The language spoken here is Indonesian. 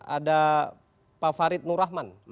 ada pak farid nur rahman